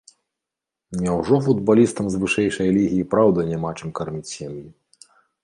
Няўжо футбалістам з вышэйшай лігі і праўда няма чым карміць сем'і?